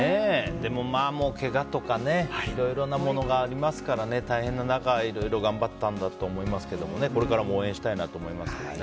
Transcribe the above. でも、けがとかいろいろなものがありますから大変な中、いろいろ頑張ったんだと思いますけどこれからも応援したいなと思います。